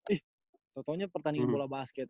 ih contohnya pertandingan bola basket